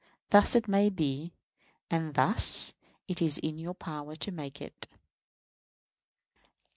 Thus may it be; and thus it is in your power to make it.